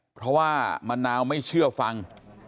เพราะว่ามะนาวไม่เชื่อฟัง